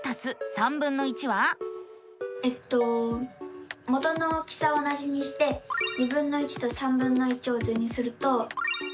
えっと元の大きさは同じにしてとを図にすると。